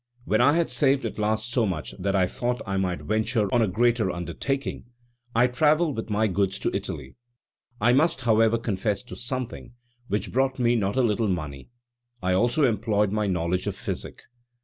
When I had saved at last so much that I thought I might venture on a greater undertaking, I travelled with my goods to Italy. I must however confess to something, which brought me not a little money: I also employed my knowledge of physic.